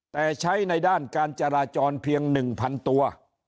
แต่ใช้ในด้านการจราจรเพียง๑๐๐๐ตัว